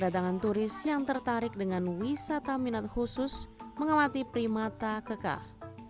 datangan turis yang tertarik dengan wisata minat khusus mengamati primata kekah